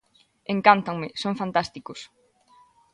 Encántanme, son fantásticos.